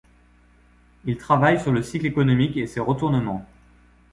Il travaille sur le cycle économique et ses retournements.